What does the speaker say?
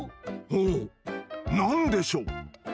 ほう何でしょう。